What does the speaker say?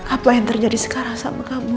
apa yang terjadi sekarang sama kamu